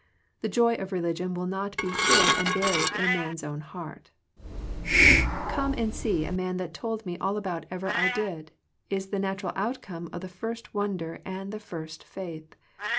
The joy of religion will not be hid and buried in a man's own heart " Come, see a man that told me all that ever I did," is the natural outcome of the first wonder and the first faith.